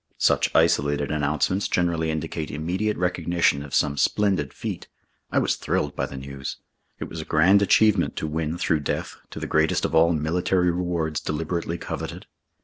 Such isolated announcements generally indicate immediate recognition of some splendid feat. I was thrilled by the news. It was a grand achievement to win through death to the greatest of all military rewards deliberately coveted.